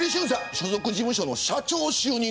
所属事務所の社長に就任。